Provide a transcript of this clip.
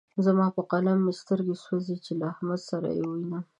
زما په قلم مې سترګې سوځې چې له احمد سره يې ووينم.